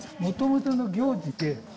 もともとの行事で。